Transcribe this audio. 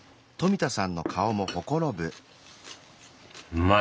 うまい！